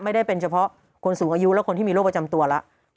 ไม่ใช่เป็นเฉพาะคนสูงอายุและคนที่มีโรคประจำตัวแล้ว